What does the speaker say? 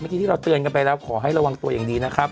ที่เราเตือนกันไปแล้วขอให้ระวังตัวอย่างดีนะครับ